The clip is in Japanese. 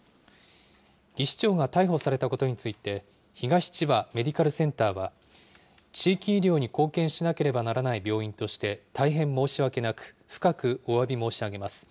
技士長が逮捕されたことについて東千葉メディカルセンターは、地域医療に貢献しなければならない病院として大変申し訳なく、深くおわび申し上げます。